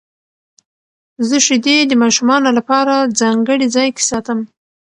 زه شیدې د ماشومانو لپاره ځانګړي ځای کې ساتم.